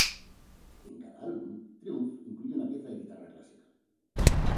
En cada álbum, Triumph incluye una pieza de guitarra clásica.